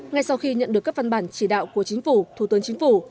ngay sau khi nhận được các văn bản chỉ đạo của chính phủ thủ tướng chính phủ